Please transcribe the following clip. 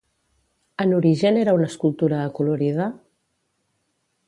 En origen era una escultura acolorida?